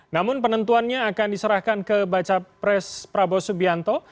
namun penentuannya akan diserahkan ke baca pres prabowo subianto